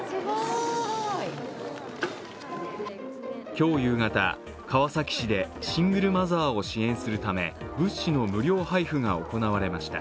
今日夕方、川崎市でシングルマザーを支援するため物資の無料配布が行われました。